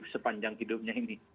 sepanjang hidupnya ini